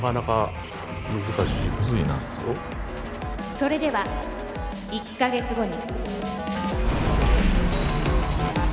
「それでは１か月後に」。